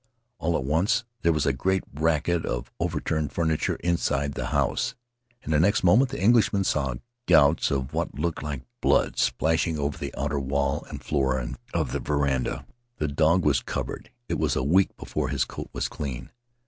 All at once there was a great racket of overturned furniture inside the house, and next moment the Englishman saw gouts of what looked like blood splashing over the outer wall and the floor of the veranda. The dog was covered — it was a week before his coat was clean.